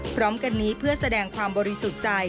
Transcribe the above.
พร้อมกันนี้เพื่อแสดงความบริสุทธิ์ใจ